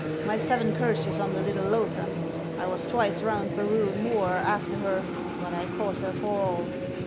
My seven curses on the little loaghtan! I was twice round Barrule Mooar afther her, but I caught her for all.'